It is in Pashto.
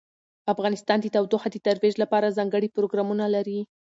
افغانستان د تودوخه د ترویج لپاره ځانګړي پروګرامونه لري.